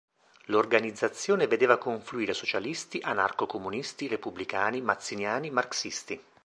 L'organizzazione vedeva confluire socialisti, anarco comunisti, repubblicani, mazziniani, marxisti.